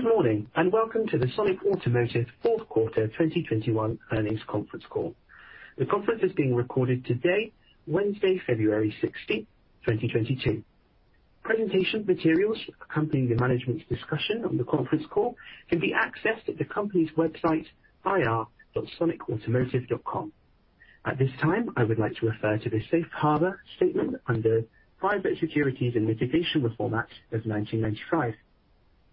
Good morning, and welcome to the Sonic Automotive fourth quarter 2021 earnings conference call. The conference is being recorded today, Wednesday, February 16, 2022. Presentation materials accompanying the management's discussion on the conference call can be accessed at the company's website, ir.sonicautomotive.com. At this time, I would like to refer to the Safe Harbor statement under Private Securities Litigation Reform Act of 1995.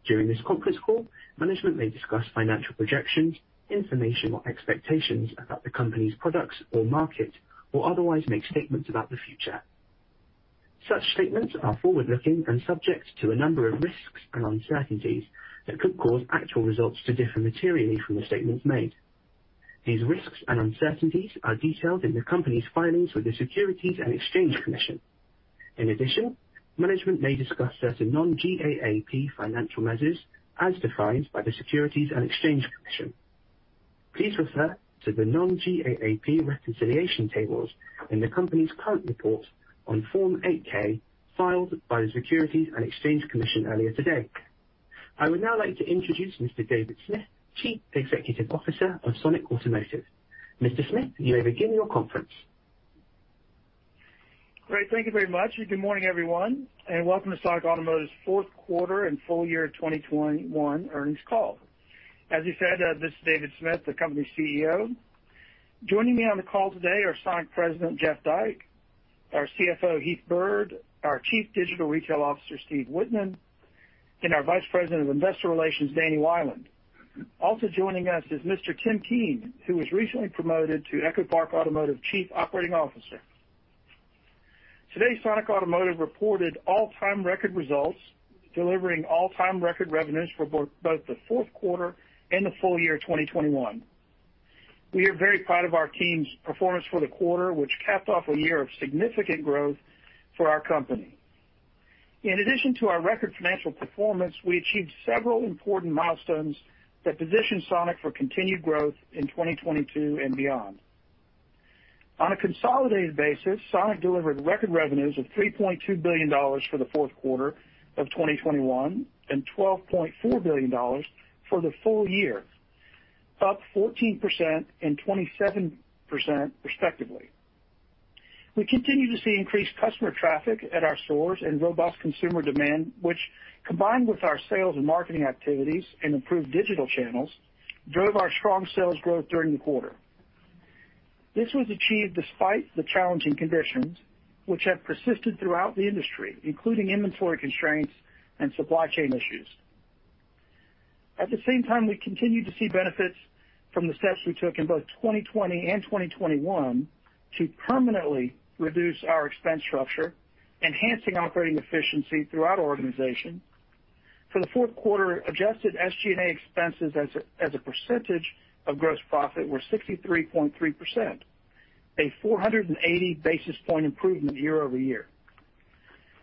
During this conference call, management may discuss financial projections, information or expectations about the company's products or market, or otherwise make statements about the future. Such statements are forward-looking and subject to a number of risks and uncertainties that could cause actual results to differ materially from the statements made. These risks and uncertainties are detailed in the company's filings with the Securities and Exchange Commission. In addition, management may discuss certain non-GAAP financial measures as defined by the Securities and Exchange Commission. Please refer to the non-GAAP reconciliation tables in the company's current report on Form eight-K filed by the Securities and Exchange Commission earlier today. I would now like to introduce Mr. David Smith, Chief Executive Officer of Sonic Automotive. Mr. Smith, you may begin your conference. Great. Thank you very much. Good morning, everyone, and welcome to Sonic Automotive's fourth quarter and full year 2021 earnings call. As you said, this is David Smith, the company's CEO. Joining me on the call today are Sonic President Jeff Dyke, our CFO Heath Byrd, our Chief Digital Retail Officer Steve Wittman, and our Vice President of Investor Relations Danny Wieland. Also joining us is Mr. Tim Keen, who was recently promoted to EchoPark Automotive Chief Operating Officer. Today, Sonic Automotive reported all-time record results, delivering all-time record revenues for both the fourth quarter and the full year 2021. We are very proud of our team's performance for the quarter, which capped off a year of significant growth for our company. In addition to our record financial performance, we achieved several important milestones that position Sonic for continued growth in 2022 and beyond. On a consolidated basis, Sonic delivered record revenues of $3.2 billion for the fourth quarter of 2021 and $12.4 billion for the full year, up 14% and 27% respectively. We continue to see increased customer traffic at our stores and robust consumer demand, which combined with our sales and marketing activities and improved digital channels, drove our strong sales growth during the quarter. This was achieved despite the challenging conditions which have persisted throughout the industry, including inventory constraints and supply chain issues. At the same time, we continue to see benefits from the steps we took in both 2020 and 2021 to permanently reduce our expense structure, enhancing operating efficiency through our organization. For the fourth quarter, adjusted SG&A expenses as a percentage of gross profit were 63.3%, a 480 basis point improvement year-over-year.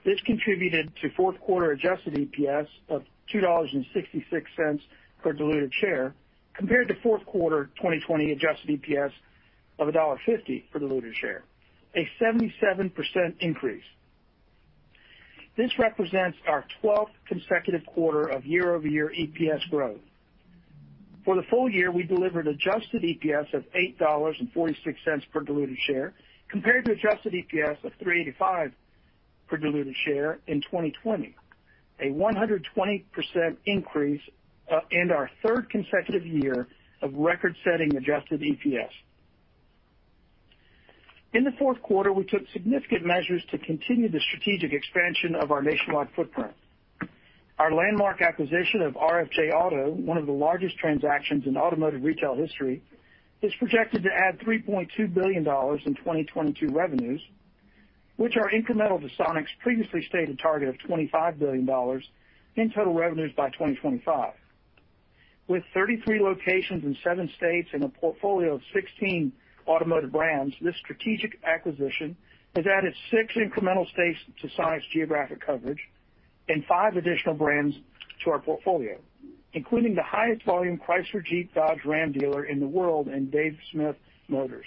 This contributed to fourth quarter adjusted EPS of $2.66 per diluted share compared to fourth quarter 2020 adjusted EPS of $1.50 per diluted share, a 77% increase. This represents our 12th consecutive quarter of year-over-year EPS growth. For the full year, we delivered adjusted EPS of $8.46 per diluted share, compared to adjusted EPS of $3.85 per diluted share in 2020, a 120% increase, and our third consecutive year of record-setting adjusted EPS. In the fourth quarter, we took significant measures to continue the strategic expansion of our nationwide footprint. Our landmark acquisition of RFJ Auto, one of the largest transactions in automotive retail history, is projected to add $3.2 billion in 2022 revenues, which are incremental to Sonic's previously stated target of $25 billion in total revenues by 2025. With 33 locations in seven states and a portfolio of 16 automotive brands, this strategic acquisition has added six incremental states to Sonic's geographic coverage and five additional brands to our portfolio, including the highest volume Chrysler Jeep Dodge RAM dealer in the world in Dave Smith Motors.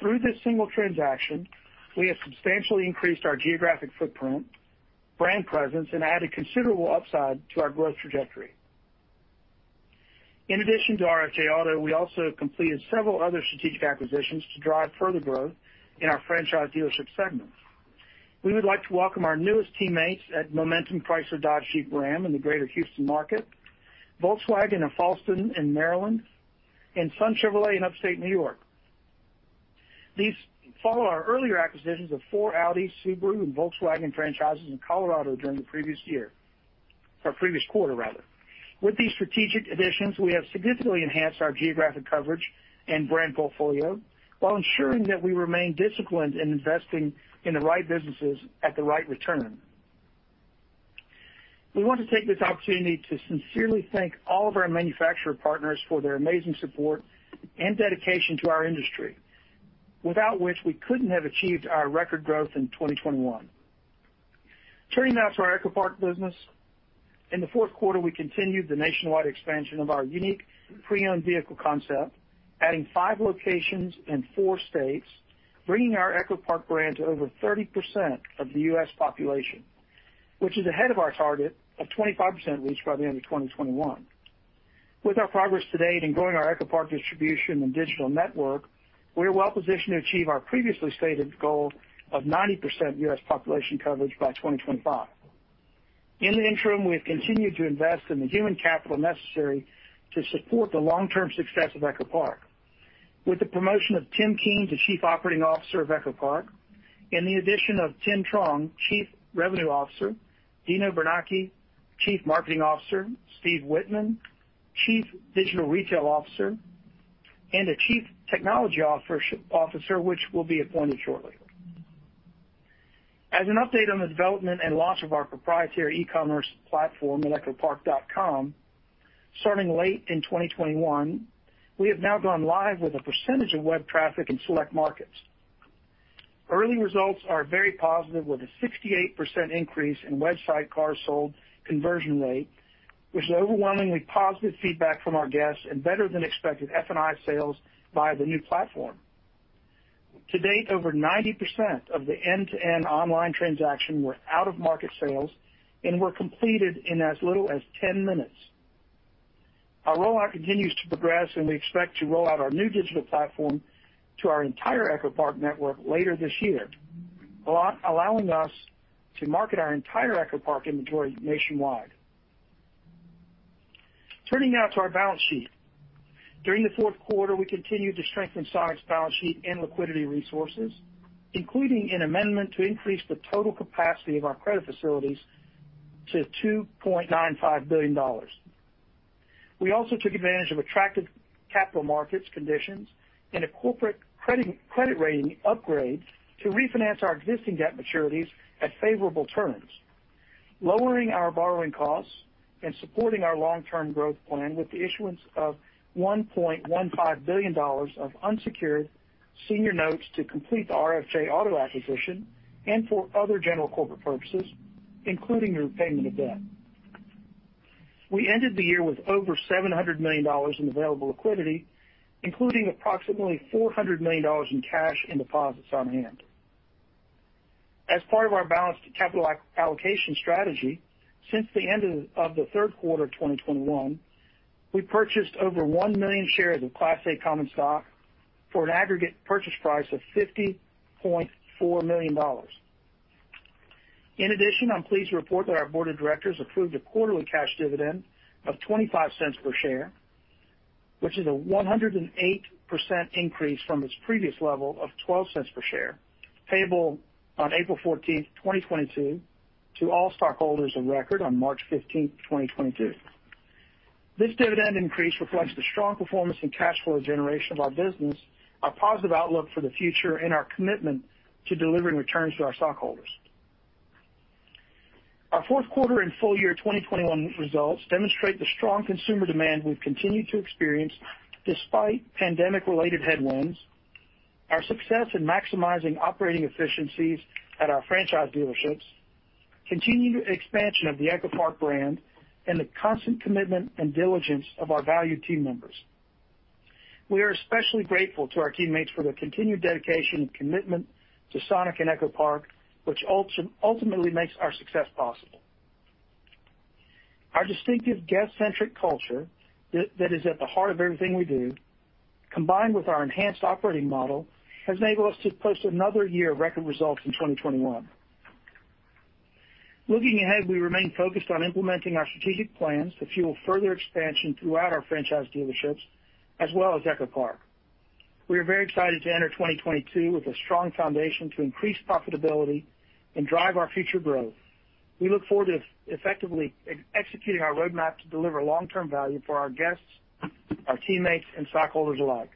Through this single transaction, we have substantially increased our geographic footprint, brand presence, and added considerable upside to our growth trajectory. In addition to RFJ Auto, we also have completed several other strategic acquisitions to drive further growth in our franchise dealership segment. We would like to welcome our newest teammates at Momentum Chrysler Dodge Jeep RAM in the greater Houston market, Volkswagen of Fallston in Maryland, and Sun Chevrolet in Upstate New York. These follow our earlier acquisitions of four Audi, Subaru, and Volkswagen franchises in Colorado during the previous year, or previous quarter rather. With these strategic additions, we have significantly enhanced our geographic coverage and brand portfolio while ensuring that we remain disciplined in investing in the right businesses at the right return. We want to take this opportunity to sincerely thank all of our manufacturer partners for their amazing support and dedication to our industry, without which we couldn't have achieved our record growth in 2021. Turning now to our EchoPark business. In the fourth quarter, we continued the nationwide expansion of our unique pre-owned vehicle concept, adding five locations in four states. Bringing our EchoPark brand to over 30% of the U.S. population, which is ahead of our target of 25% reached by the end of 2021. With our progress to date in growing our EchoPark distribution and digital network, we are well positioned to achieve our previously stated goal of 90% U.S. population coverage by 2025. In the interim, we have continued to invest in the human capital necessary to support the long-term success of EchoPark. With the promotion of Tim Keen to Chief Operating Officer of EchoPark, and the addition of Thien Truong, Chief Revenue Officer, Dino Bernacchi, Chief Marketing Officer, Steve Wittman, Chief Digital Retail Officer, and a Chief Technology Officer, which will be appointed shortly. As an update on the development and launch of our proprietary e-commerce platform at echopark.com, starting late in 2021, we have now gone live with a percentage of web traffic in select markets. Early results are very positive with a 68% increase in website cars sold conversion rate, which is overwhelmingly positive feedback from our guests and better than expected F&I sales via the new platform. To date, over 90% of the end-to-end online transaction were out-of-market sales and were completed in as little as 10 minutes. Our rollout continues to progress, and we expect to roll out our new digital platform to our entire EchoPark network later this year, allowing us to market our entire EchoPark inventory nationwide. Turning now to our balance sheet. During the fourth quarter, we continued to strengthen Sonic's balance sheet and liquidity resources, including an amendment to increase the total capacity of our credit facilities to $2.95 billion. We also took advantage of attractive capital markets conditions and a corporate credit rating upgrade to refinance our existing debt maturities at favorable terms, lowering our borrowing costs and supporting our long-term growth plan with the issuance of $1.15 billion of unsecured senior notes to complete the RFJ Auto acquisition and for other general corporate purposes, including the repayment of debt. We ended the year with over $700 million in available liquidity, including approximately $400 million in cash and deposits on hand. As part of our balanced capital allocation strategy, since the end of the third quarter of 2021, we purchased over 1 million shares of Class A common stock for an aggregate purchase price of $50.4 million. In addition, I'm pleased to report that our board of directors approved a quarterly cash dividend of $0.25 per share, which is a 108% increase from its previous level of $0.12 per share, payable on April 14, 2022 to all stockholders of record on March 15, 2022. This dividend increase reflects the strong performance and cash flow generation of our business, our positive outlook for the future, and our commitment to delivering returns to our stockholders. Our fourth quarter and full year 2021 results demonstrate the strong consumer demand we've continued to experience despite pandemic related headwinds, our success in maximizing operating efficiencies at our franchise dealerships, continued expansion of the EchoPark brand, and the constant commitment and diligence of our valued team members. We are especially grateful to our teammates for their continued dedication and commitment to Sonic and EchoPark, which ultimately makes our success possible. Our distinctive guest centric culture that is at the heart of everything we do, combined with our enhanced operating model, has enabled us to post another year of record results in 2021. Looking ahead, we remain focused on implementing our strategic plans to fuel further expansion throughout our franchise dealerships as well as EchoPark. We are very excited to enter 2022 with a strong foundation to increase profitability and drive our future growth. We look forward to effectively executing our roadmap to deliver long-term value for our guests, our teammates, and stockholders alike.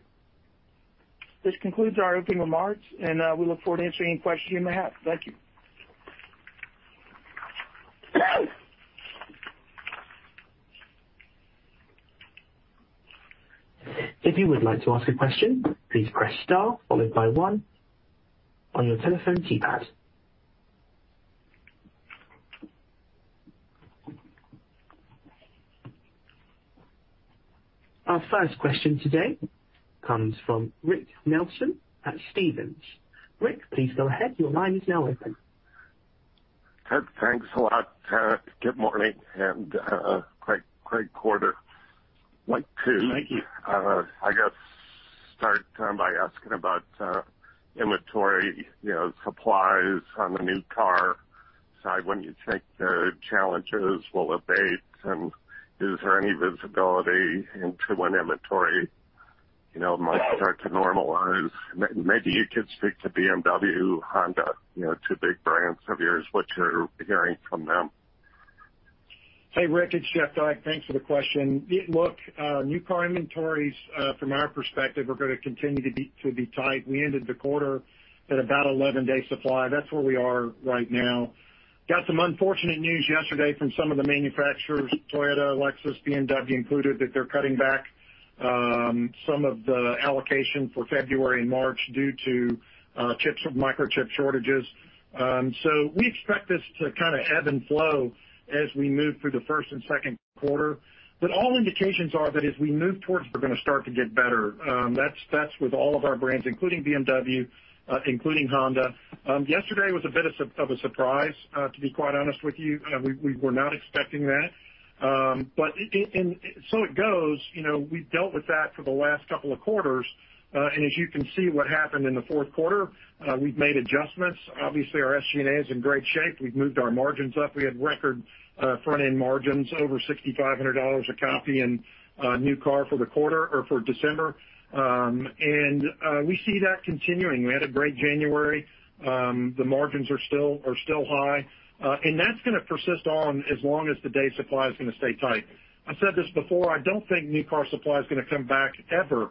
This concludes our opening remarks, and we look forward to answering any questions you may have. Thank you. If you would like to ask a question, please press star followed by one on your telephone keypad. Our first question today comes from Rick Nelson at Stephens. Rick, please go ahead. Your line is now open. Ted, thanks a lot. Good morning and great quarter. Thank you. like to, I guess start by asking about inventory, you know, supplies on the new car side, when you think the challenges will abate, and is there any visibility into when inventory, you know, might start to normalize? Maybe you could speak to BMW, Honda, you know, two big brands of yours, what you're hearing from them. Hey, Rick, it's Jeff Dyke. Thanks for the question. Look, new car inventories, from our perspective, are gonna continue to be tight. We ended the quarter at about 11-day supply. That's where we are right now. Got some unfortunate news yesterday from some of the manufacturers, Toyota, Lexus, BMW included, that they're cutting back some of the allocation for February and March due to chips, microchip shortages. We expect this to kind of ebb and flow as we move through the first and second quarter. All indications are that as we move towards, we're gonna start to get better. That's with all of our brands, including BMW, including Honda. Yesterday was a bit of a surprise, to be quite honest with you. We were not expecting that. And so it goes. You know, we've dealt with that for the last couple of quarters. As you can see what happened in the fourth quarter, we've made adjustments. Obviously, our SG&A is in great shape. We've moved our margins up. We had record front-end margins, over $6,500 a copy in new car for the quarter or for December. We see that continuing. We had a great January. The margins are still high. That's gonna persist on as long as the day supply is gonna stay tight. I've said this before, I don't think new car supply is gonna come back ever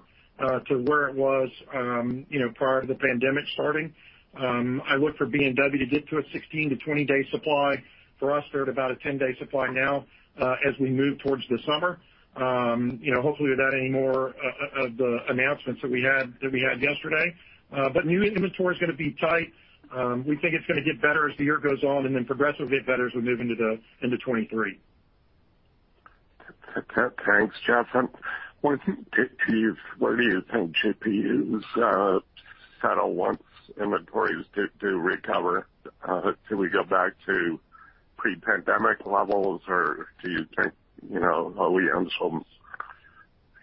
to where it was, you know, prior to the pandemic starting. I look for BMW to get to a 16-20-day supply. For us, they're at about a 10-day supply now as we move towards the summer. You know, hopefully, without any more of the announcements that we had yesterday. But new inventory is gonna be tight. We think it's gonna get better as the year goes on and then progressively get better as we move into 2023. Thanks, Jeff. Where do you think GPUs settle once inventory is to recover? Do we go back to pre-pandemic levels, or do you think, you know, OEMs will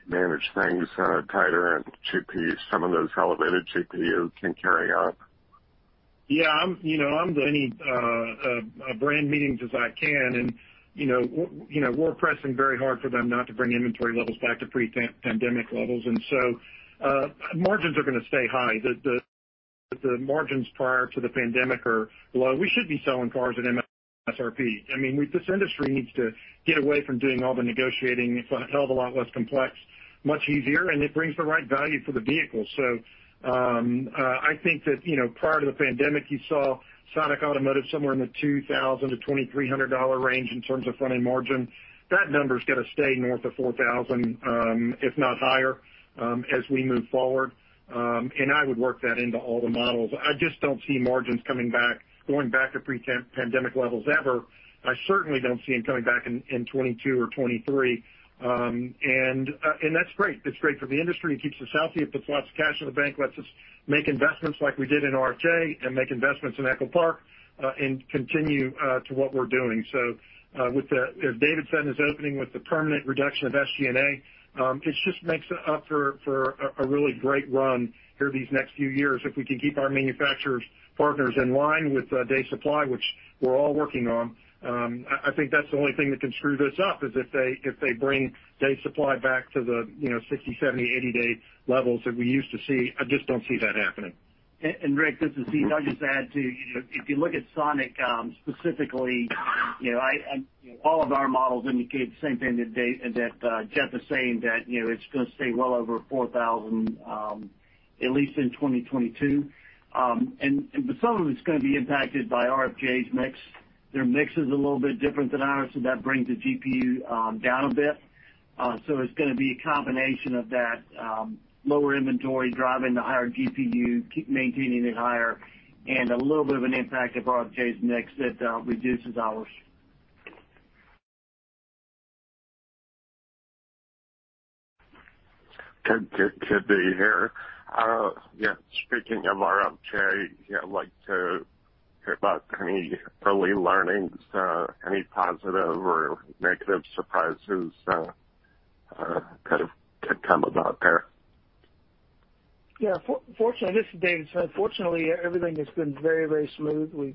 manage things tighter and some of those elevated GPUs can carry on? Yeah, you know, I'm going to any brand meetings as I can, and, you know, we're pressing very hard for them not to bring inventory levels back to pre-pandemic levels. Margins are gonna stay high. The margins prior to the pandemic are low. We should be selling cars at MSRP. I mean, this industry needs to get away from doing all the negotiating. It's a hell of a lot less complex, much easier, and it brings the right value for the vehicle. I think that, you know, prior to the pandemic, you saw Sonic Automotive somewhere in the $2,000-$2,300 range in terms of front-end margin. That number's gotta stay north of $4,000, if not higher, as we move forward. I would work that into all the models. I just don't see margins coming back, going back to pre-pandemic levels ever. I certainly don't see them coming back in 2022 or 2023. That's great for the industry. It keeps us healthy. It puts lots of cash in the bank. Lets us make investments like we did in RFJ and make investments in EchoPark and continue to what we're doing. With the, as David said, in his opening, with the permanent reduction of SG&A, it just makes up for a really great run here these next few years. If we can keep our manufacturers partners in line with day supply, which we're all working on, I think that's the only thing that can screw this up, is if they bring day supply back to the you know 60-, 70-, 80-day levels that we used to see. I just don't see that happening. Rick, this is Steve. I'll just add, too, you know, if you look at Sonic specifically, you know, I all of our models indicate the same thing that Jeff is saying, that you know, it's gonna stay well over 4,000 at least in 2022. But some of it's gonna be impacted by RFJ's mix. Their mix is a little bit different than ours, so that brings the GPU down a bit. So it's gonna be a combination of that, lower inventory driving the higher GPU, keep maintaining it higher, and a little bit of an impact of RFJ's mix that reduces ours. Good. Good to hear. Speaking of RFJ, I'd like to hear about any early learnings, any positive or negative surprises, kind of come about there. Fortunately, this is David Smith. Fortunately, everything has been very, very smooth. We've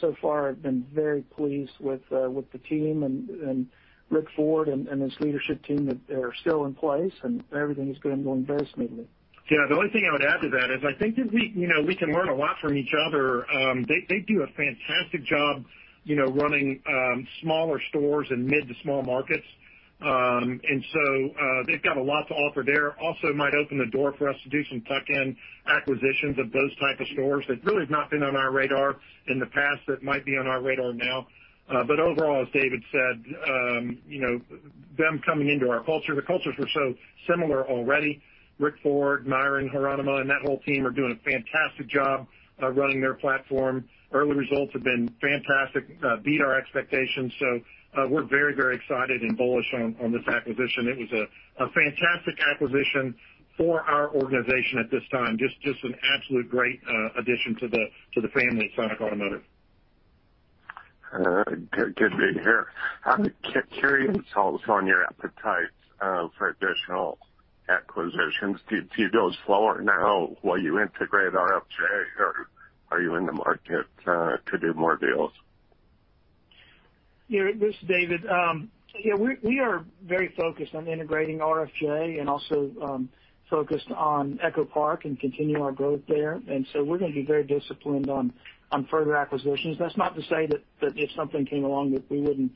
so far been very pleased with the team and Rick Ford and his leadership team that they are still in place and everything has been going very smoothly. Yeah, the only thing I would add to that is I think that we, you know, we can learn a lot from each other. They do a fantastic job, you know, running smaller stores in mid- to small markets. They’ve got a lot to offer there. It also might open the door for us to do some tuck-in acquisitions of those type of stores that really have not been on our radar in the past that might be on our radar now. Overall, as David said, you know, them coming into our culture, the cultures were so similar already. Rick Ford, Myron Heronema, and that whole team are doing a fantastic job running their platform. Early results have been fantastic, beat our expectations. We’re very, very excited and bullish on this acquisition. It was a fantastic acquisition for our organization at this time. Just an absolute great addition to the family of Sonic Automotive. All right. Good. Good to hear. I'm curious also on your appetite for additional acquisitions. Do you go slower now while you integrate RFJ, or are you in the market to do more deals? Yeah, this is David. Yeah, we are very focused on integrating RFJ and also focused on EchoPark and continue our growth there. We're gonna be very disciplined on further acquisitions. That's not to say that if something came along that we wouldn't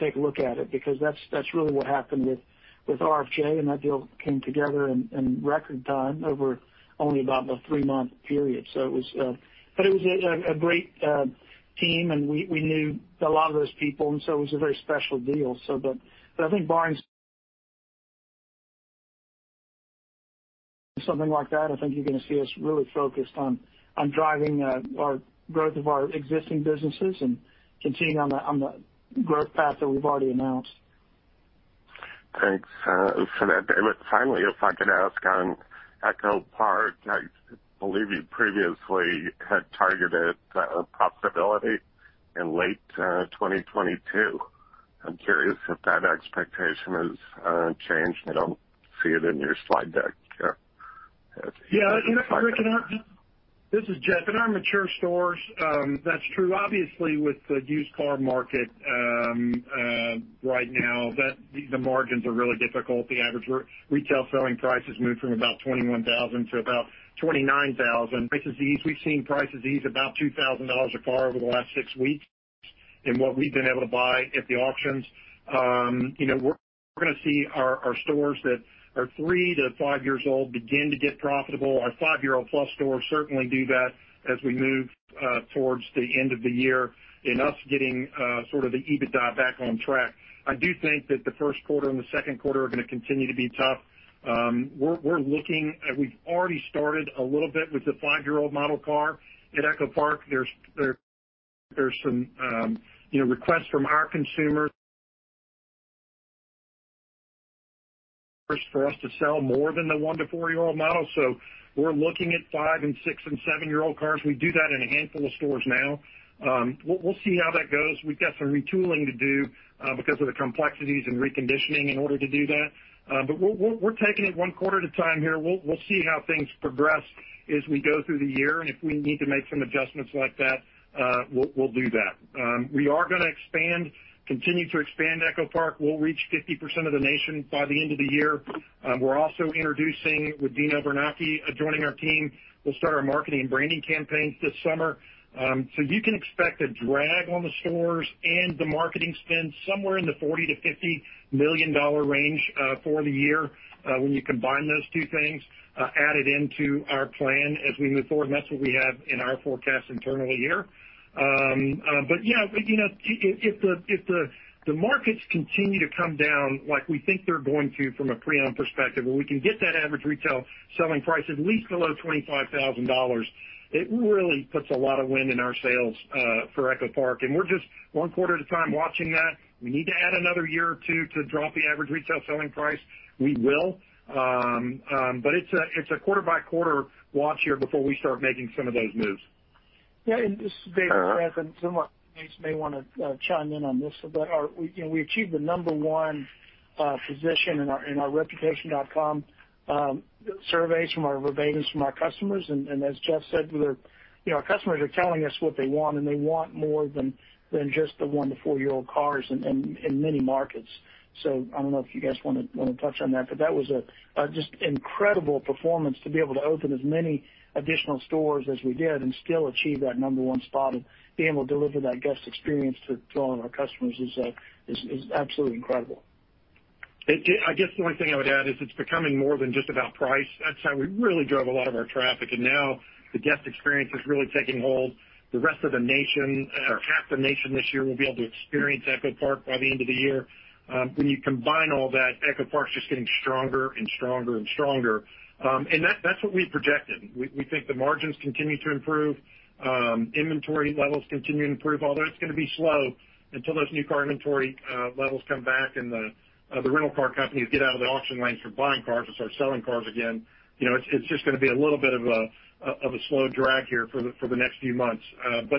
take a look at it because that's really what happened with RFJ, and that deal came together in record time over only about a three-month period. It was a great team, and we knew a lot of those people, and so it was a very special deal. But I think barring something like that, I think you're gonna see us really focused on driving our growth of our existing businesses and continuing on the growth path that we've already announced. Thanks for that, David. Finally, if I could ask on EchoPark, I believe you previously had targeted profitability in late 2022. I'm curious if that expectation has changed. I don't see it in your slide deck here. Yeah. You know, Rick, this is Jeff. In our mature stores, that's true. Obviously, with the used car market, right now, that the margins are really difficult. The average retail selling price has moved from about $21,000 to about $29,000. We've seen prices ease about $2,000 a car over the last six weeks in what we've been able to buy at the auctions. You know, we're gonna see our stores that are 3-years old begin to get profitable. Our 5-year-old-plus stores certainly do that as we move towards the end of the year in us getting sort of the EBITDA back on track. I do think that the first quarter and the second quarter are gonna continue to be tough. We're looking, and we've already started a little bit with the 5-year-old model car at EchoPark. There's some, you know, requests from our consumers for us to sell more than the 1- to 4-year-old models. We're looking at 5-, 6-, and 7-year-old cars. We do that in a handful of stores now. We'll see how that goes. We've got some retooling to do, because of the complexities in reconditioning in order to do that. We're taking it one quarter at a time here. We'll see how things progress as we go through the year, and if we need to make some adjustments like that, we'll do that. We are gonna expand, continue to expand EchoPark. We'll reach 50% of the nation by the end of the year. We're also introducing, with Dino Bernacchi joining our team, we'll start our marketing and branding campaigns this summer. So you can expect a drag on the stores and the marketing spend somewhere in the $40 million-$50 million range for the year, when you combine those two things added into our plan as we move forward, and that's what we have in our forecast internally here. But yeah, you know, if the markets continue to come down like we think they're going to from a pre-owned perspective, where we can get that average retail selling price at least below $25,000, it really puts a lot of wind in our sails for EchoPark. We're just one quarter at a time watching that. If we need to add another year or two to drop the average retail selling price, we will. It's a quarter-by-quarter watch here before we start making some of those moves. This is David Smith, and some of our teammates may wanna chime in on this, but we, you know, we achieved the number one position in our Reputation.com surveys verbatim from our customers. As Jeff said, we're you know, our customers are telling us what they want, and they want more than just the 1- to 4-year-old cars in many markets. I don't know if you guys wanna touch on that, but that was just incredible performance to be able to open as many additional stores as we did and still achieve that number one spot and being able to deliver that guest experience to all of our customers is absolutely incredible. It did. I guess the only thing I would add is it's becoming more than just about price. That's how we really drove a lot of our traffic, and now the guest experience is really taking hold. The rest of the nation, or half the nation this year will be able to experience EchoPark by the end of the year. When you combine all that, EchoPark's just getting stronger and stronger and stronger. That's what we've projected. We think the margins continue to improve. Inventory levels continue to improve, although it's gonna be slow until those new car inventory levels come back and the rental car companies get out of the auction lanes from buying cars and start selling cars again. You know, it's just gonna be a little bit of a slow drag here for the next few months.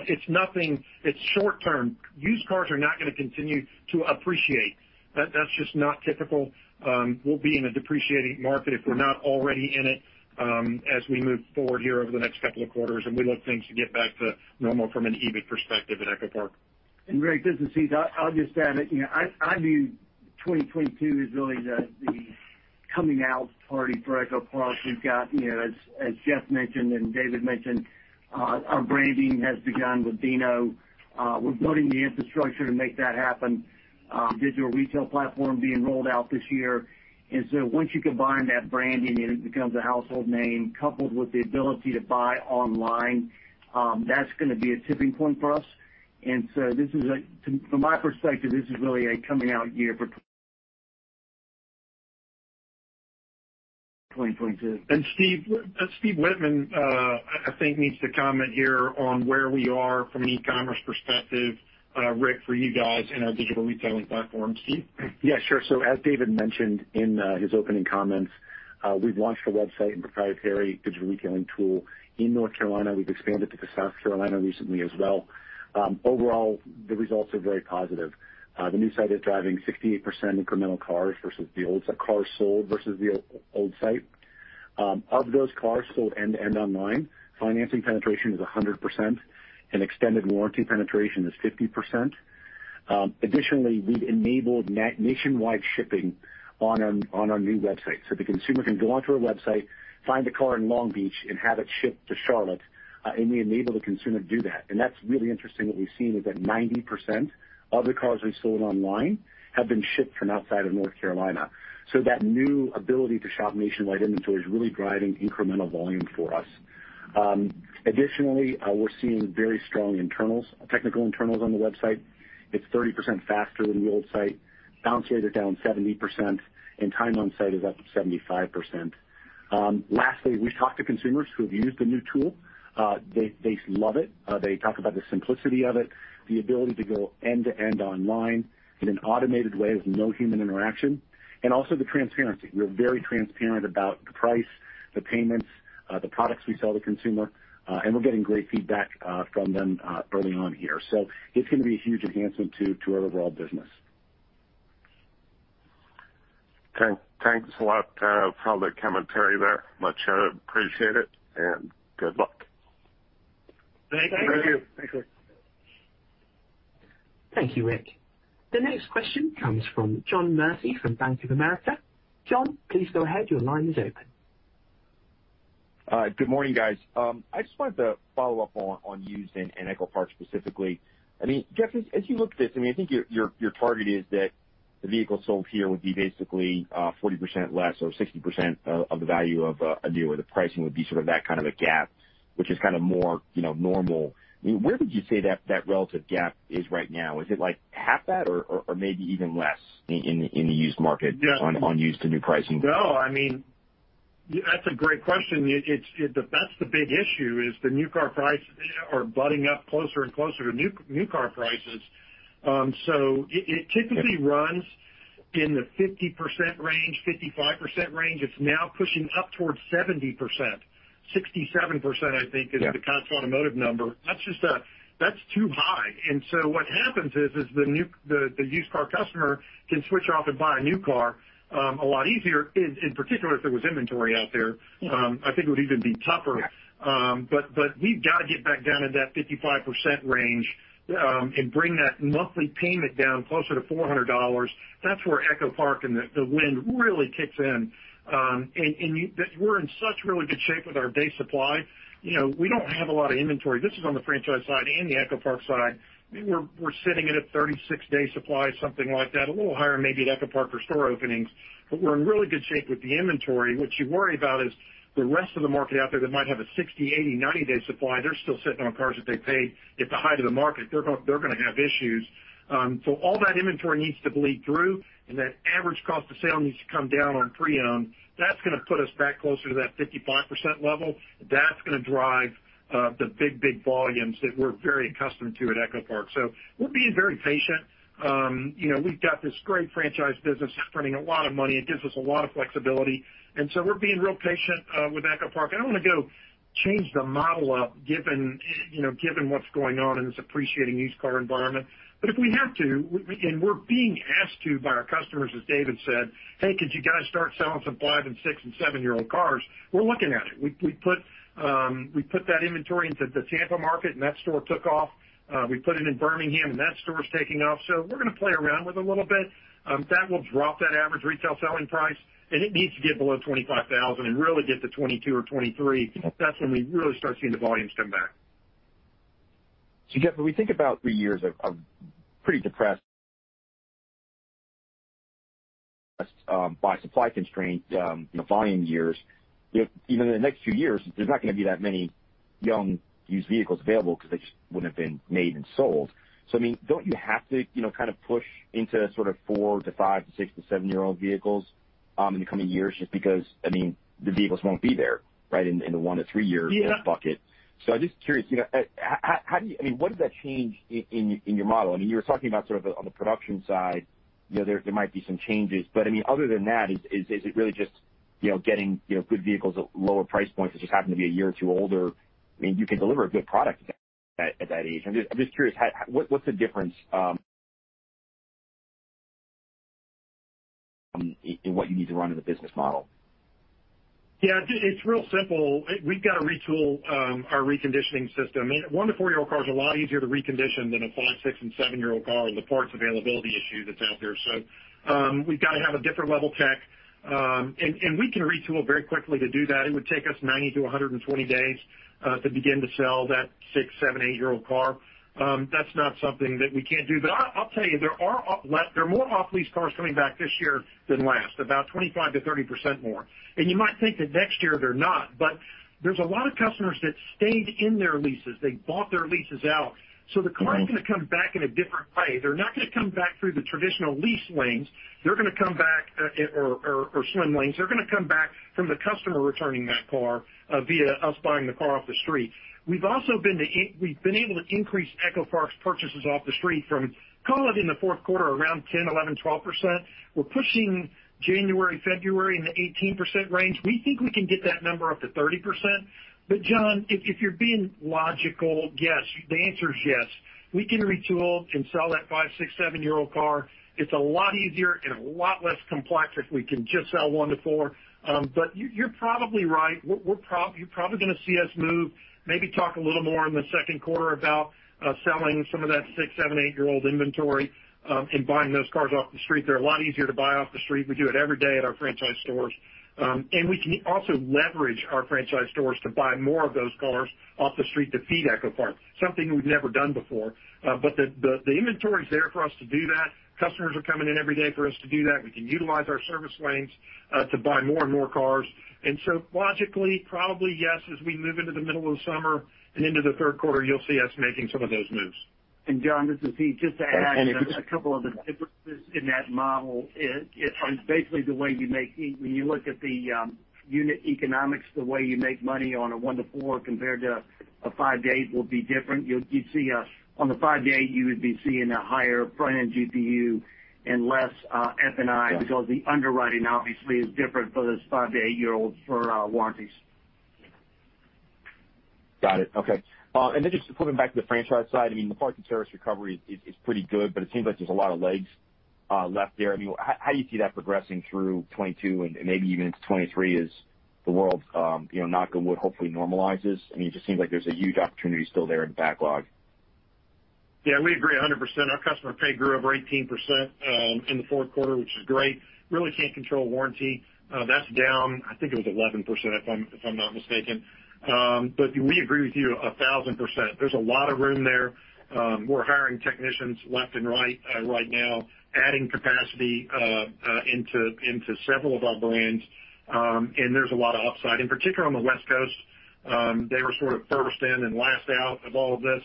It's nothing. It's short term. Used cars are not gonna continue to appreciate. That's just not typical. We'll be in a depreciating market if we're not already in it, as we move forward here over the next couple of quarters, and we look for things to get back to normal from an EBIT perspective at EchoPark. Greg, this is Steve. I'll just add that, you know, I view 2022 as really the coming out party for EchoPark. We've got, you know, as Jeff mentioned and David mentioned, our branding has begun with Dino. We're building the infrastructure to make that happen. Digital retail platform being rolled out this year. Once you combine that branding and it becomes a household name, coupled with the ability to buy online, that's gonna be a tipping point for us. From my perspective, this is really a coming out year for 2022. Steve Wittman, I think he needs to comment here on where we are from an e-commerce perspective, Rick, for you guys in our digital retailing platform. Steve? Yeah, sure. As David mentioned in his opening comments, we've launched a website and proprietary digital retailing tool in North Carolina. We've expanded to South Carolina recently as well. Overall, the results are very positive. The new site is driving 68% incremental cars sold versus the old site. Of those cars sold end-to-end online, financing penetration is 100% and extended warranty penetration is 50%. Additionally, we've enabled nationwide shipping on our new website. The consumer can go onto our website, find a car in Long Beach and have it shipped to Charlotte, and we enable the consumer to do that. That's really interesting. What we've seen is that 90% of the cars we sold online have been shipped from outside of North Carolina. That new ability to shop nationwide inventory is really driving incremental volume for us. Additionally, we're seeing very strong internals, technical internals on the website. It's 30% faster than the old site. Bounce rates are down 70% and time on site is up 75%. Lastly, we've talked to consumers who have used the new tool. They love it. They talk about the simplicity of it, the ability to go end-to-end online in an automated way with no human interaction, and also the transparency. We are very transparent about the price, the payments, the products we sell the consumer, and we're getting great feedback from them early on here. It's gonna be a huge enhancement to our overall business. Thanks a lot for all the commentary there. I much appreciate it and good luck. Thank you. Thank you. Thanks, Rick. Thank you, Rick. The next question comes from John Murphy from Bank of America. John, please go ahead. Your line is open. Good morning, guys. I just wanted to follow up on used and EchoPark specifically. I mean, Jeff, as you look at this, I mean, I think your target is that the vehicle sold here would be basically 40% less or 60% of the value of a new or the pricing would be sort of that kind of a gap, which is kind of more, you know, normal. I mean, where would you say that relative gap is right now? Is it like half that or maybe even less in the used market? Yeah. On used to new pricing? No, I mean, that's a great question. That's the big issue is the new car prices are bumping up closer and closer to new car prices. It typically runs in the 50% range, 55% range. It's now pushing up towards 70%. 67%, I think, is the Cox Automotive number. That's just too high. What happens is the used car customer can switch off and buy a new car a lot easier. In particular, if there was inventory out there, I think it would even be tougher. Yeah. We've got to get back down to that 55% range, and bring that monthly payment down closer to $400. That's where EchoPark and the win really kicks in. We're in such really good shape with our day supply. You know, we don't have a lot of inventory. This is on the franchise side and the EchoPark side. We're sitting at a 36-day supply, something like that, a little higher maybe at EchoPark for store openings. We're in really good shape with the inventory. What you worry about is the rest of the market out there that might have a 60, 80, 90 day supply. They're still sitting on cars that they paid at the height of the market. They're gonna have issues. All that inventory needs to bleed through, and that average cost of sale needs to come down on pre-owned. That's gonna put us back closer to that 55% level. That's gonna drive the big volumes that we're very accustomed to at EchoPark. We're being very patient. You know, we've got this great franchise business. It's printing a lot of money. It gives us a lot of flexibility. We're being real patient with EchoPark. I don't want to go change the model up given you know, given what's going on in this appreciating used car environment. But if we have to, and we're being asked to by our customers, as David said, "Hey, could you guys start selling some 5- and 6- and 7-year-old cars?" We're looking at it. We put that inventory into the Tampa market, and that store took off. We put it in Birmingham, and that store's taking off. We're gonna play around with a little bit, that will drop that average retail selling price, and it needs to get below $25,000 and really get to $22 or $23. That's when we really start seeing the volumes come back. Jeff, when we think about three years of pretty depressed by supply constraint, you know, volume years, you know, even in the next few years, there's not gonna be that many young used vehicles available because they just wouldn't have been made and sold. I mean, don't you have to, you know, kind of push into sort of 4- to 5- to 6- to 7-year-old vehicles in the coming years just because, I mean, the vehicles won't be there right in the 1- to 3-year-old bucket. Yeah. I'm just curious, you know, how do you... I mean, what does that change in your model? I mean, you were talking about sort of on the production side, you know, there might be some changes. I mean, other than that, is it really just, you know, getting, you know, good vehicles at lower price points that just happen to be a year or two older? I mean, you can deliver a good product at that age. I'm just curious, how, what's the difference in what you need to run in the business model? Yeah, it's real simple. We've got to retool our reconditioning system. One to 4-year-old car is a lot easier to recondition than a 5-, 6-, and 7-year-old car, and the parts availability issue that's out there. We've got to have a different level check. We can retool very quickly to do that. It would take us 90-120 days to begin to sell that 6-, 7-, 8-year-old car. That's not something that we can't do. But I'll tell you, there are more off-lease cars coming back this year than last, about 25%-30% more. You might think that next year they're not. There's a lot of customers that stayed in their leases. They bought their leases out. The car is going to come back in a different way. They're not gonna come back through the traditional lease lanes. They're gonna come back from the customer returning that car via us buying the car off the street. We've also been able to increase EchoPark's purchases off the street from call it in the fourth quarter around 10, 11, 12%. We're pushing January, February in the 18% range. We think we can get that number up to 30%. John, if you're being logical, yes. The answer is yes. We can retool and sell that 5-, 6-, 7-year-old car. It's a lot easier and a lot less complex if we can just sell 1-4. But you're probably right. You're probably gonna see us move, maybe talk a little more in the second quarter about selling some of that 6, 7, 8-year-old inventory and buying those cars off the street. They're a lot easier to buy off the street. We do it every day at our franchise stores. We can also leverage our franchise stores to buy more of those cars off the street to feed EchoPark, something we've never done before. But the inventory is there for us to do that. Customers are coming in every day for us to do that. We can utilize our service lanes to buy more and more cars. Logically, probably, yes, as we move into the middle of the summer and into the third quarter, you'll see us making some of those moves. John, this is Heath Byrd. Just to add a couple of the differences in that model is basically the way you make when you look at the unit economics, the way you make money on a 1-4 compared to a 5-8 will be different. You'd see a on the 5-8, you would be seeing a higher front-end GPU and less F&I because the underwriting obviously is different for those 5-8-year-olds for warranties. Got it. Okay. Just flipping back to the franchise side, I mean, the parts and service recovery is pretty good, but it seems like there's a lot of legs left there. I mean, how do you see that progressing through 2022 and maybe even into 2023 as the world, you know, knock on wood, hopefully normalizes? I mean, it just seems like there's a huge opportunity still there in backlog. Yeah, we agree 100%. Our customer pay grew over 18% in the fourth quarter, which is great. Really can't control warranty. That's down, I think it was 11%, if I'm not mistaken. But we agree with you 1000%. There's a lot of room there. We're hiring technicians left and right right now, adding capacity into several of our brands, and there's a lot of upside. In particular on the West Coast, they were sort of first in and last out of all of this,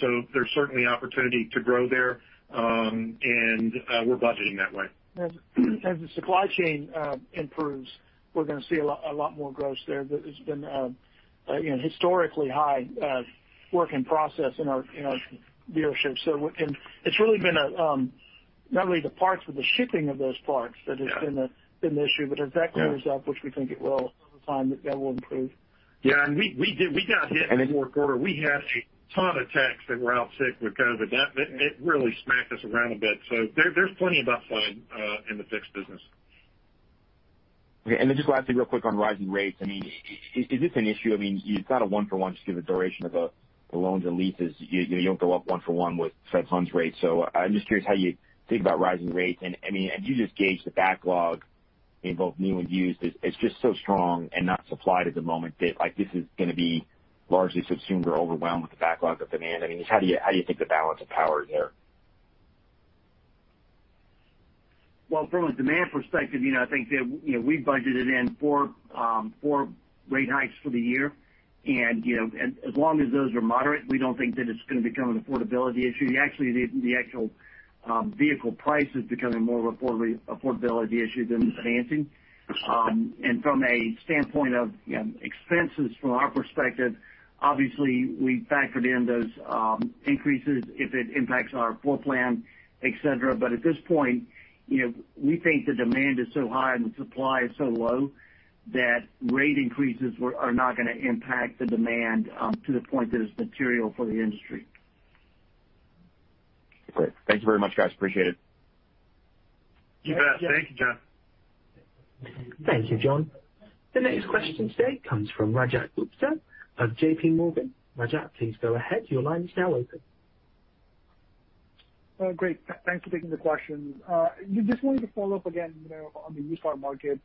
so there's certainly opportunity to grow there, and we're budgeting that way. As the supply chain improves, we're gonna see a lot more growth there. There's been again, historically high work in process in our dealerships. It's really been not only the parts, but the shipping of those parts that has been the issue. But as that clears up, which we think it will over time, that will improve. Yeah. We did, we got hit in the fourth quarter. We had a ton of techs that were out sick with COVID. That it really smacked us around a bit. There's plenty of upside in the fixed business. Okay. Then just lastly real quick on rising rates, I mean, is this an issue? I mean, it's not a one for one just given the duration of the loans and leases. You know, you don't go up one for one with Fed funds rates. I'm just curious how you think about rising rates. I mean, as you just gauge the backlog in both new and used is just so strong and not supplied at the moment that, like, this is gonna be largely subsumed or overwhelmed with the backlog of demand. I mean, how do you think the balance of power is there? Well, from a demand perspective, you know, I think that, you know, we budgeted in 4 rate hikes for the year. You know, as long as those are moderate, we don't think that it's gonna become an affordability issue. Actually, the actual vehicle price is becoming more of affordability issue than financing. From a standpoint of, you know, expenses from our perspective, obviously we factored in those increases if it impacts our floor plan, et cetera. At this point, you know, we think the demand is so high and supply is so low that rate increases are not gonna impact the demand to the point that it's material for the industry. Great. Thank you very much, guys. Appreciate it. You bet. Thank you, John. Thank you, John. The next question today comes from Rajat Gupta of JPMorgan. Rajat, please go ahead. Your line is now open. Great. Thanks for taking the questions. Just wanted to follow up again, you know, on the used car market.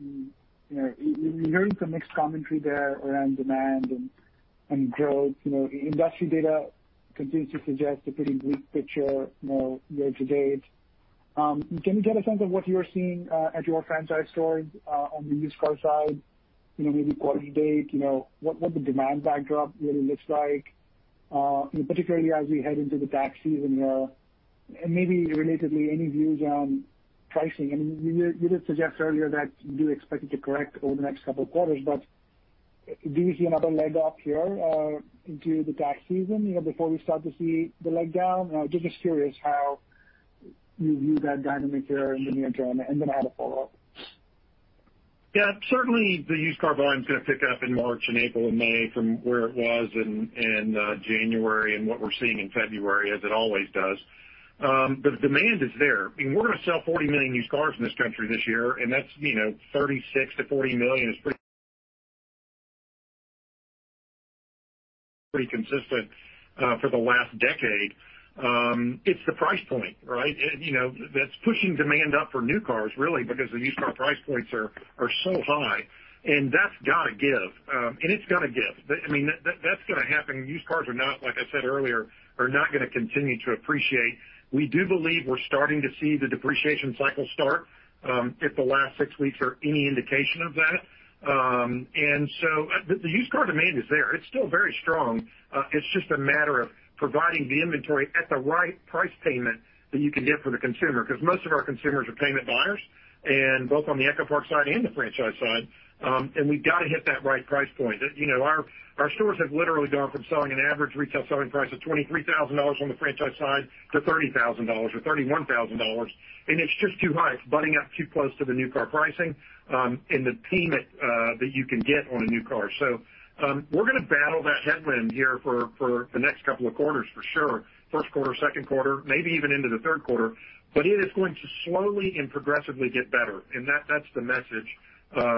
You know, we're hearing some mixed commentary there around demand and growth. You know, industry data continues to suggest a pretty bleak picture, you know, year to date. Can we get a sense of what you're seeing at your franchise stores on the used car side, you know, maybe quarter to date? You know, what the demand backdrop really looks like, you know, particularly as we head into the tax season here. Maybe relatedly any views on pricing. I mean, you did suggest earlier that you expect it to correct over the next couple of quarters, but do you see another leg up here into the tax season, you know, before we start to see the leg down? Just curious how you view that dynamic there in the near term. Then I have a follow-up. Yeah. Certainly the used car volume is gonna pick up in March and April and May from where it was in January and what we're seeing in February as it always does. The demand is there. I mean, we're gonna sell 40 million used cars in this country this year, and that's, you know, 36-40 million is pretty consistent for the last decade. It's the price point, right? You know, that's pushing demand up for new cars really because the used car price points are so high, and that's gotta give, and it's gonna give. I mean, that's gonna happen. Like I said earlier, used cars are not gonna continue to appreciate. We do believe we're starting to see the depreciation cycle start, if the last six weeks are any indication of that. The used car demand is there. It's still very strong. It's just a matter of providing the inventory at the right price payment that you can get for the consumer, because most of our consumers are payment buyers and both on the EchoPark side and the franchise side. We've got to hit that right price point. You know, our stores have literally gone from selling an average retail selling price of $23,000 on the franchise side to $30,000 or $31,000. It's just too high. It's butting up too close to the new car pricing, and the payment that you can get on a new car. We're gonna battle that headwind here for the next couple of quarters for sure. First quarter, second quarter, maybe even into the third quarter, but it is going to slowly and progressively get better. That's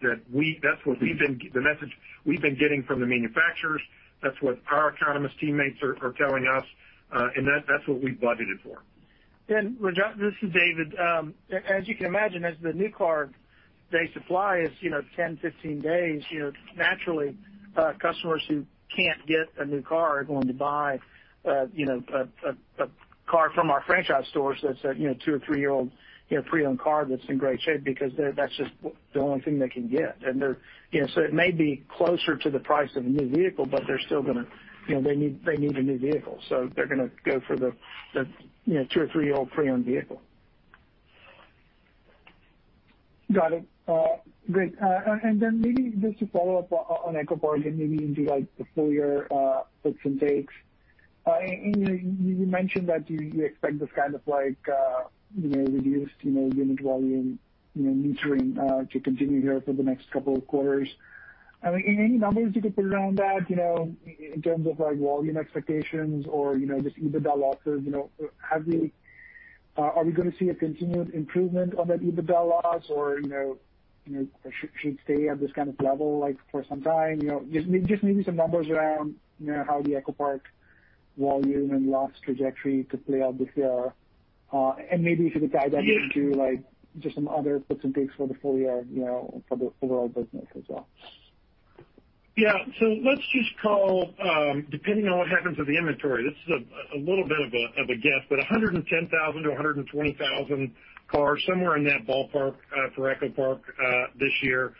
the message we've been getting from the manufacturers. That's what our economist teammates are telling us. That's what we've budgeted for. Rajat, this is David. As you can imagine, as the new car day supply is, you know, 10, 15 days, you know, naturally, customers who can't get a new car are going to buy, you know, a car from our franchise stores that's a, you know, 2- or 3-year-old, you know, pre-owned car that's in great shape because that's just the only thing they can get. They're, you know, so it may be closer to the price of a new vehicle, but they're still gonna, you know, they need a new vehicle, so they're gonna go for the, you know, 2- or 3-year-old pre-owned vehicle. Got it. Great. Then maybe just to follow up on EchoPark and maybe into like the full year puts and takes. You mentioned that you expect this kind of like, you know, reduced unit volume metering to continue here for the next couple of quarters. I mean, any numbers you could put around that, you know, in terms of like volume expectations or, you know, just EBITDA losses, you know. Are we gonna see a continued improvement on that EBITDA loss or, you know, should stay at this kind of level like for some time, you know? Just maybe some numbers around, you know, how the EchoPark volume and loss trajectory could play out this year. Maybe if you could tie that into like just some other puts and takes for the full year, you know, for the overall business as well. Yeah. Let's just call, depending on what happens with the inventory, this is a little bit of a guess, but 110,000-120,000 cars, somewhere in that ballpark, for EchoPark, this year.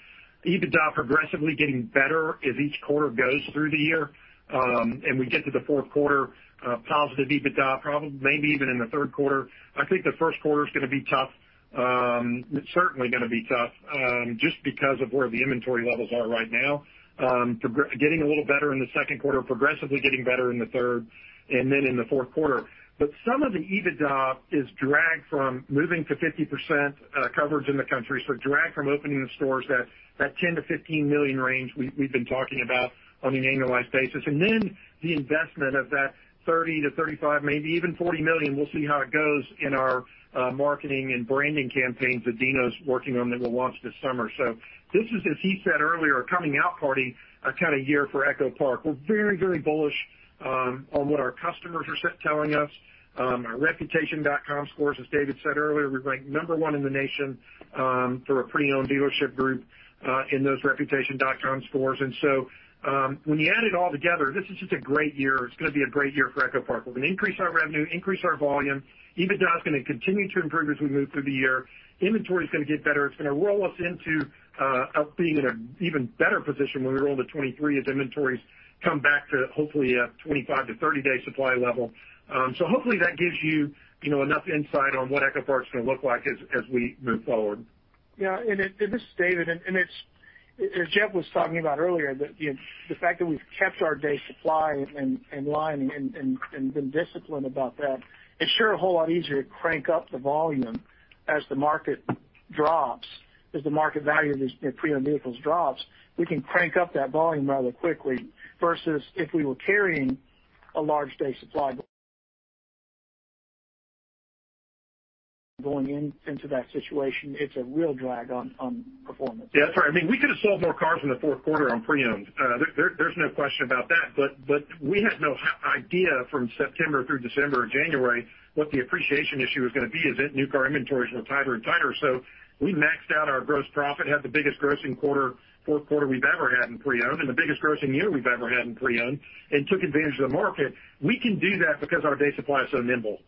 EBITDA progressively getting better as each quarter goes through the year, and we get to the fourth quarter, positive EBITDA probably maybe even in the third quarter. I think the first quarter is gonna be tough. Certainly gonna be tough, just because of where the inventory levels are right now. Getting a little better in the second quarter, progressively getting better in the third and then in the fourth quarter. Some of the EBITDA is dragged from moving to 50% coverage in the country, so dragged from opening the stores that $10 million-$15 million range we've been talking about on an annualized basis. Then the investment of that $30 million-$35 million, maybe even $40 million, we'll see how it goes in our marketing and branding campaigns that Dino's working on that we'll launch this summer. This is, as he said earlier, a coming out party kind of year for EchoPark. We're very, very bullish on what our customers are saying. Our Reputation.com scores, as David said earlier, we're ranked number one in the nation for a pre-owned dealership group in those Reputation.com scores. When you add it all together, this is just a great year. It's gonna be a great year for EchoPark. We're gonna increase our revenue, increase our volume. EBITDA is gonna continue to improve as we move through the year. Inventory is gonna get better. It's gonna roll us into us being in an even better position when we roll to 2023 as inventories come back to hopefully a 25- to 30-day supply level. Hopefully, that gives you know, enough insight on what EchoPark's gonna look like as we move forward. Yeah. This is David. It's, as Jeff was talking about earlier, the fact that we've kept our day supply in line and been disciplined about that. It's sure a whole lot easier to crank up the volume as the market drops, as the market value of these, you know, pre-owned vehicles drops. We can crank up that volume rather quickly versus if we were carrying a large day supply going into that situation. It's a real drag on performance. Yeah, that's right. I mean, we could have sold more cars in the fourth quarter on pre-owned. There's no question about that. But we had no idea from September through December or January what the appreciation issue was gonna be as new car inventories were tighter and tighter. We maxed out our gross profit, had the biggest grossing quarter, fourth quarter we've ever had in pre-owned and the biggest grossing year we've ever had in pre-owned and took advantage of the market. We can do that because our day supply is so nimble.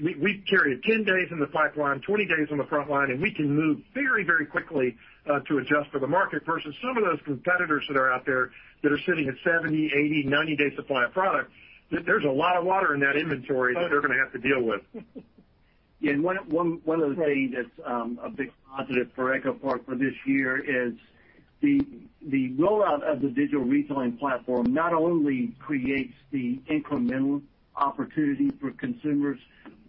We carried 10 days in the pipeline, 20 days on the front line, and we can move very, very quickly to adjust for the market versus some of those competitors that are out there that are sitting at 70, 80, 90 day supply of product. There's a lot of water in that inventory that they're gonna have to deal with. One other thing that's a big positive for EchoPark for this year is the rollout of the digital retailing platform not only creates the incremental opportunity for consumers,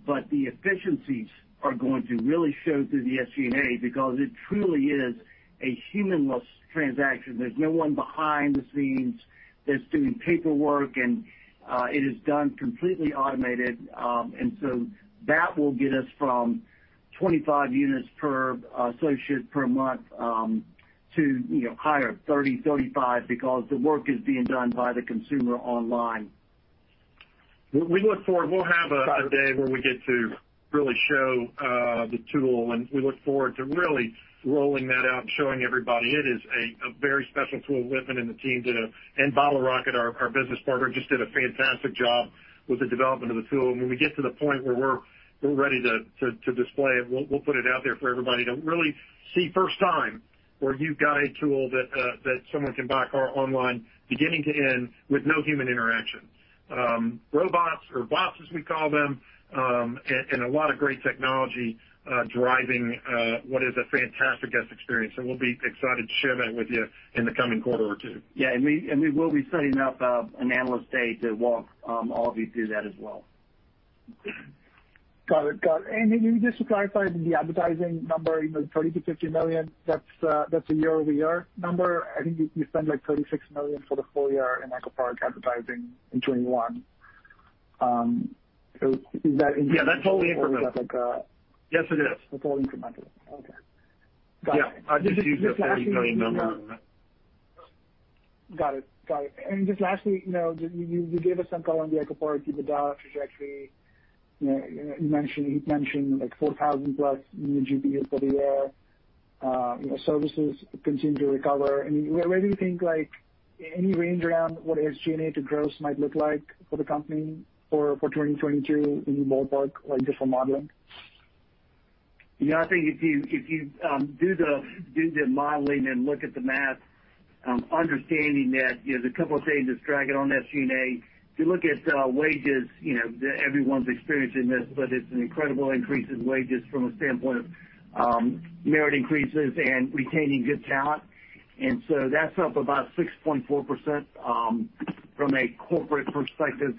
but the efficiencies are going to really show through the SG&A because it truly is a humanless transaction. There's no one behind the scenes that's doing paperwork, and it is done completely automated. That will get us from 25 units per associate per month to you know higher 30, 35 because the work is being done by the consumer online. We look forward. We'll have a day where we get to really show the tool, and we look forward to really rolling that out and showing everybody. It is a very special tool. Whitman and the team did a fantastic job with the development of the tool. Bottle Rocket, our business partner, just did a fantastic job with the development of the tool. When we get to the point where we're ready to display it, we'll put it out there for everybody to really see. First time or you've got a tool that someone can buy a car online beginning to end with no human interaction. Robots or bots, as we call them, and a lot of great technology driving what is a fantastic guest experience. We'll be excited to share that with you in the coming quarter or two. Yeah. We will be setting up an analyst day to walk all of you through that as well. Got it. Maybe just to clarify the advertising number, 30 to 50 million, that's a year-over-year number. I think you spent like 36 million for the full year in EchoPark advertising in 2021. Is that incremental? Yeah, that's wholly incremental.... or is that like a- Yes, it is. It's all incremental. Okay. Got it. Yeah. I just used a $30 million number. Got it. Just lastly, you know, you gave us some color on the EchoPark EBITDA trajectory. You know, you mentioned like 4,000+ new GP for the year. You know, services continue to recover. Where do you think, like any range around what SG&A to gross might look like for the company for 2022 in ballpark, like just for modeling? You know, I think if you do the modeling and look at the math, understanding that, you know, there's a couple of things that's dragging on SG&A. If you look at wages, you know, everyone's experiencing this, but it's an incredible increase in wages from a standpoint of merit increases and retaining good talent. That's up about 6.4% from a corporate perspective.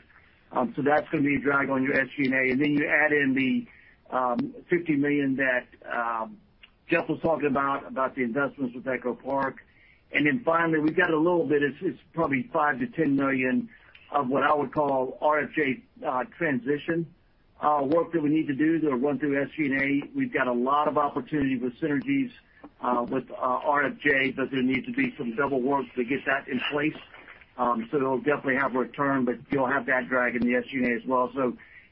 That's gonna be a drag on your SG&A. You add in the $50 million that Jeff was talking about the investments with EchoPark. Finally, we've got a little bit; it's probably $5 million-$10 million of what I would call RFJ transition work that we need to do that'll run through SG&A. We've got a lot of opportunity with synergies with RFJ, but there needs to be some double work to get that in place. It'll definitely have return, but you'll have that drag in the SG&A as well.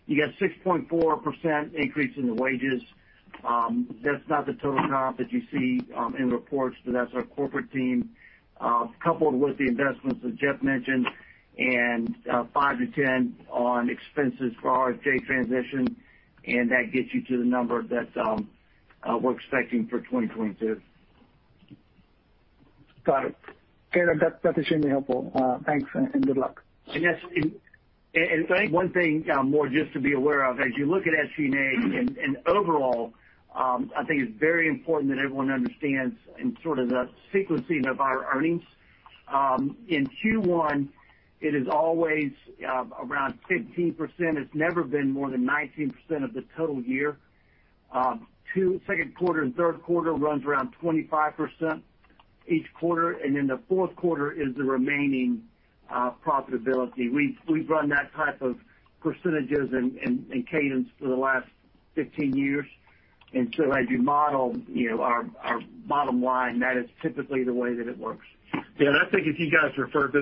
You got 6.4% increase in the wages. That's not the total comp that you see in reports, but that's our corporate team coupled with the investments that Jeff mentioned and $5 million-$10 million in expenses for RFJ transition, and that gets you to the number that we're expecting for 2022. Got it. Okay, that was extremely helpful. Thanks and good luck. Yes, I think one thing more just to be aware of, as you look at SG&A and overall, I think it's very important that everyone understands in sort of the sequencing of our earnings. In Q1, it is always around 15%. It's never been more than 19% of the total year. Second quarter and third quarter run around 25% each quarter, and then the fourth quarter is the remaining profitability. We've run that type of percentages and cadence for the last 15 years. As you model, you know, our bottom line, that is typically the way that it works. This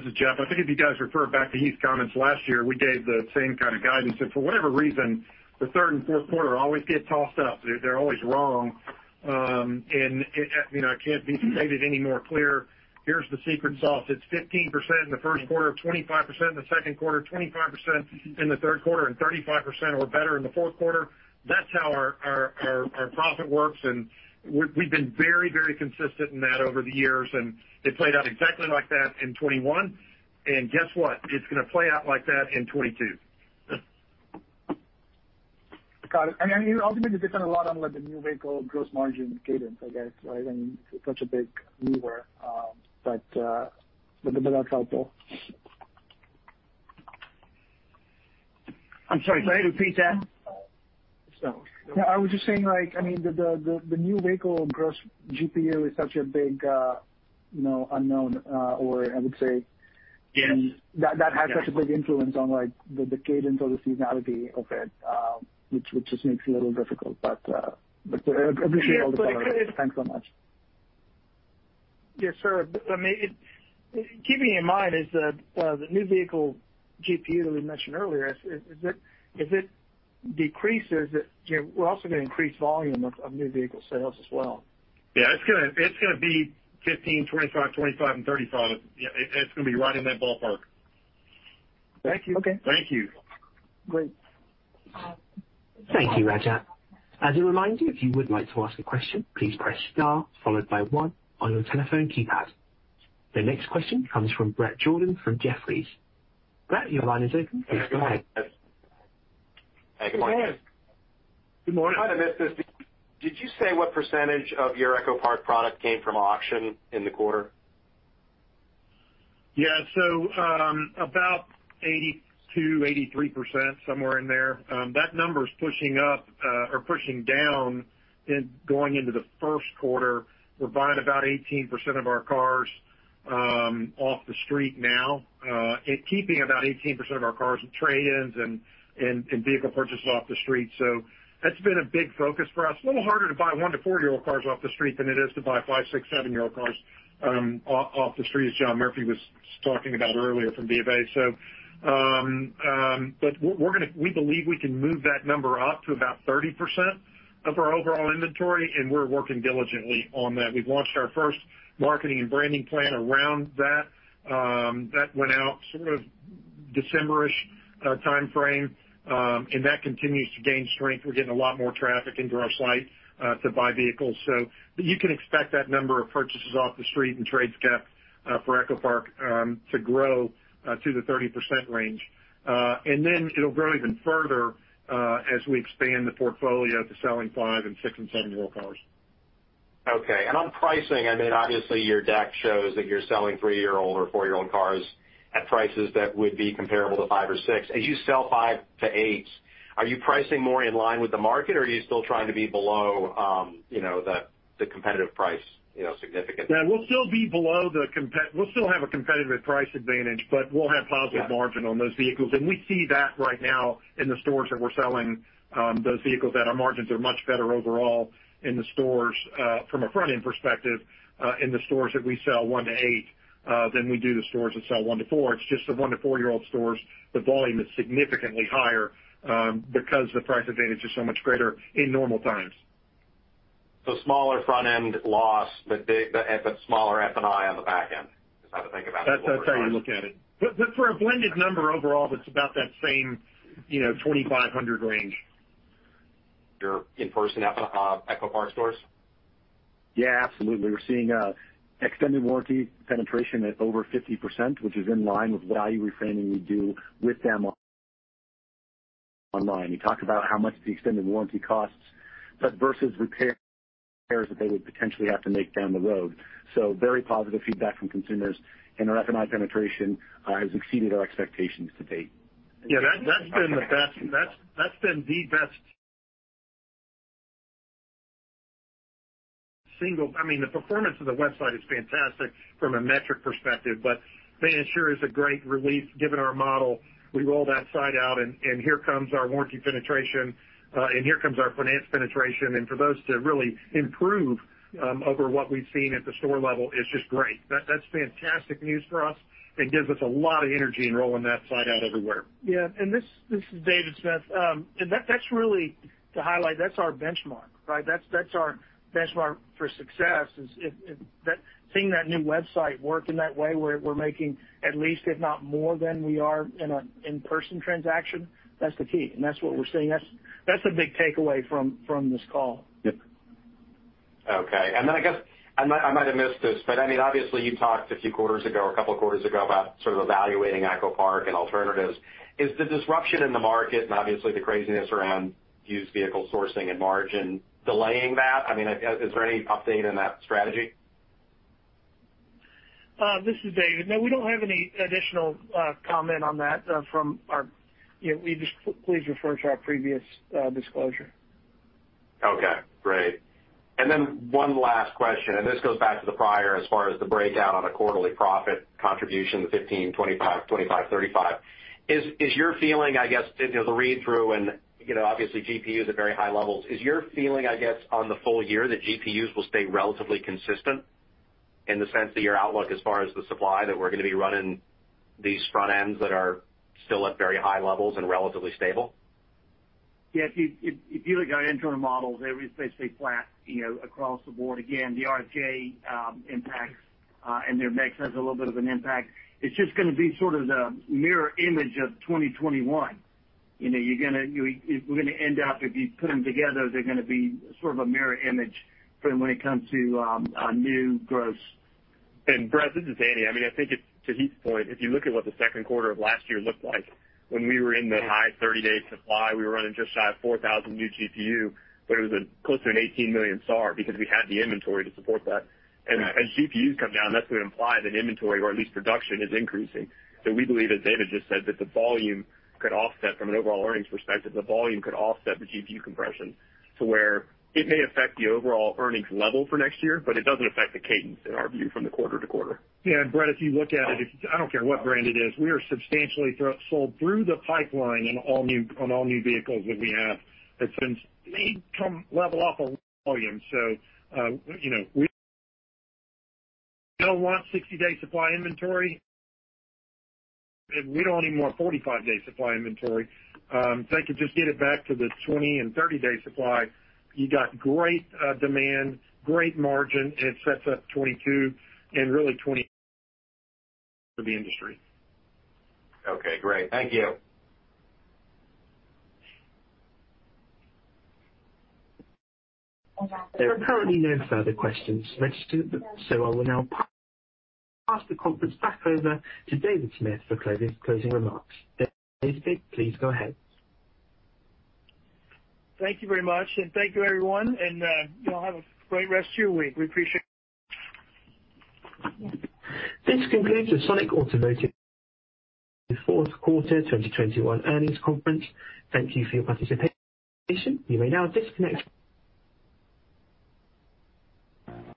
is Jeff. I think if you guys refer back to Heath's comments last year, we gave the same kind of guidance. For whatever reason, the third and fourth quarter always get tossed out. They're always wrong. It can't be stated any more clear. Here's the secret sauce. It's 15% in the first quarter, 25% in the second quarter, 25% in the third quarter, and 35% or better in the fourth quarter. That's how our profit works, and we've been very consistent in that over the years, and it played out exactly like that in 2021. Guess what? It's gonna play out like that in 2022. Got it. I mean, ultimately depends a lot on, like, the new vehicle gross margin cadence, I guess, right? I mean, such a big mover, but that's helpful. I'm sorry. Sorry, repeat that. Yeah, I was just saying, like, I mean, the new vehicle gross GPU is such a big, you know, unknown, or I would say. Yes. That has such a big influence on, like, the cadence or the seasonality of it, which just makes it a little difficult. But I appreciate all the color. Thanks so much. Yes, sir. I mean, keeping in mind that the new vehicle GPU that we mentioned earlier, as it decreases it, you know, we're also gonna increase volume of new vehicle sales as well. Yeah, it's gonna be 15, 25 and 35. It's gonna be right in that ballpark. Thank you. Okay. Thank you. Great. Thank you, Rajat. As a reminder, if you would like to ask a question, please press star followed by one on your telephone keypad. The next question comes from Bret Jordan from Jefferies. Bret, your line is open. Please go ahead. Hey, good morning. Good morning. I might have missed this. Did you say what percentage of your EchoPark product came from auction in the quarter? Yeah. About 82%-83%, somewhere in there. That number is pushing up or pushing down in going into the first quarter. We're buying about 18% of our cars off the street now and keeping about 18% of our cars with trade-ins and vehicle purchases off the street. That's been a big focus for us. A little harder to buy 1- to 4-year-old cars off the street than it is to buy 5-, 6-, 7-year-old cars off the street, as John Murphy was talking about earlier from Bank of America. But we believe we can move that number up to about 30% of our overall inventory, and we're working diligently on that. We've launched our first marketing and branding plan around that. That went out sort of December-ish timeframe, and that continues to gain strength. We're getting a lot more traffic into our site to buy vehicles, so you can expect that number of purchases off the street and trades kept for EchoPark to grow to the 30% range. It'll grow even further as we expand the portfolio to selling 5-, 6-, and 7-year-old cars. Okay. On pricing, I mean, obviously your deck shows that you're selling 3-year-old or 4-year-old cars at prices that would be comparable to five or six. As you sell five to eights, are you pricing more in line with the market, or are you still trying to be below, you know, the competitive price, you know, significantly? Yeah. We'll still have a competitive price advantage, but we'll have positive margin on those vehicles. We see that right now in the stores that we're selling those vehicles, that our margins are much better overall in the stores from a front-end perspective in the stores that we sell 1-8 than we do the stores that sell 1-4. It's just the 1- to 4-year-old stores, the volume is significantly higher because the price advantage is so much greater in normal times. Smaller front end loss, but smaller F&I on the back end. Is that the thing about it over time? That's how you look at it. For a blended number overall, that's about that same, you know, 2500 range. You're in-person at the EchoPark stores? Yeah, absolutely. We're seeing extended warranty penetration at over 50%, which is in line with value reframing we do with them online. You talk about how much the extended warranty costs, but versus repairs that they would potentially have to make down the road. Very positive feedback from consumers, and our F&I penetration has exceeded our expectations to date. Yeah, that's been the best. That's been the best single, I mean, the performance of the website is fantastic from a metric perspective, but man, it sure is a great release given our model. We rolled that site out and here comes our warranty penetration, and here comes our finance penetration. For those to really improve over what we've seen at the store level is just great. That's fantastic news for us and gives us a lot of energy in rolling that site out everywhere. Yeah. This is David Smith. That's really to highlight. That's our benchmark, right? That's our benchmark for success is seeing that new website work in that way. We're making at least if not more than we are in an in-person transaction. That's the key. That's what we're seeing. That's the big takeaway from this call. Yep. Okay. I guess I might have missed this, but I mean obviously you talked a few quarters ago or a couple quarters ago about sort of evaluating EchoPark and alternatives. Is the disruption in the market and obviously the craziness around used vehicle sourcing and margin delaying that? I mean, is there any update on that strategy? This is David. No, we don't have any additional comment on that from our. You know, please refer to our previous disclosure. Okay, great. One last question, this goes back to the prior as far as the breakdown on a quarterly profit contribution, the 15, 25, 35. Is your feeling, I guess, you know, the read through and, you know, obviously GPU is at very high levels. Is your feeling, I guess, on the full year that GPUs will stay relatively consistent in the sense that your outlook as far as the supply that we're gonna be running these front ends that are still at very high levels and relatively stable? Yeah. If you look at our internal models, everything's basically flat, you know, across the board. Again, the RFJ impacts and their mix has a little bit of an impact. It's just gonna be sort of the mirror image of 2021. You know, we're gonna end up, if you put them together, they're gonna be sort of a mirror image from when it comes to new gross. Bret, this is Jeff Dyke. I mean, I think it's to Heath's point, if you look at what the second quarter of last year looked like when we were in the high 30-day supply, we were running just shy of 4,000 new GPU, but it was closer to an 18 million SAR because we had the inventory to support that. Right. As GPUs come down, that's gonna imply that inventory or at least production is increasing. We believe, as David just said, that the volume could offset from an overall earnings perspective, the volume could offset the GPU compression to where it may affect the overall earnings level for next year, but it doesn't affect the cadence in our view from the quarter to quarter. Yeah. Brett, if you look at it, I don't care what brand it is, we are substantially sold through the pipeline on all new vehicles that we have. It's been mayhem. It'll level off of volume. You know, we don't want 60-day supply inventory, and we don't even want 45-day supply inventory. If they could just get it back to the 20- and 30-day supply, you got great demand, great margin. It sets up 2022 and really 2020 for the industry. Okay, great. Thank you. There are currently no further questions registered, so I will now pass the conference back over to David Smith for closing remarks. David, please go ahead. Thank you very much and thank you everyone, and, y'all have a great rest of your week. We appreciate- This concludes the Sonic Automotive fourth quarter 2021 earnings conference. Thank you for your participation. You may now disconnect.